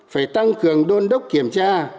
phải tăng cường đôn đốc kiểm tra